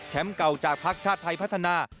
แชมป์เก่าจากพลักษณ์ชาติไทยพัฒนา